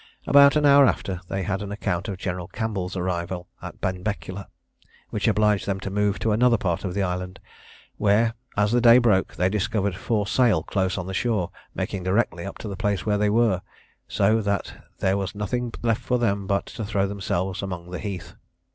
About an hour after, they had an account of General Campbell's arrival at Benbecula, which obliged them to move to another part of the island, where, as the day broke, they discovered four sail close on the shore, making directly up to the place where they were; so that there was nothing left for them but to throw themselves among the heath.